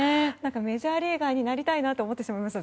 メジャーリーガーになりたいなと思ってしまいました。